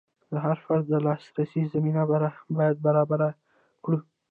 د هر فرد د لاسرسي زمینه باید برابره کړو.